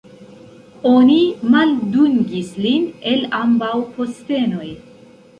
Oni maldungis lin el ambaŭ postenoj.